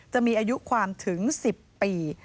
จะมีอายุความถึง๑๐ปี